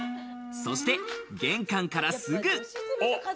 そして玄関からすぐ。